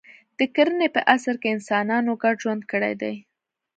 د کرنې په عصر کې انسانانو ګډ ژوند کړی دی.